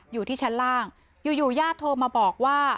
อยู่ที่ชั้นล่างอยู่ญาติโทรมาบอกว่า